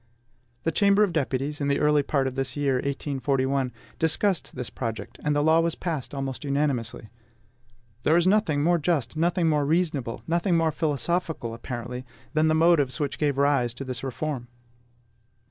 The Chamber of Deputies, in the early part of this year, 1841, discussed this project, and the law was passed almost unanimously. There is nothing more just, nothing more reasonable, nothing more philosophical apparently, than the motives which gave rise to this reform.